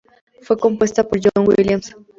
Fue compuesta por John Williams.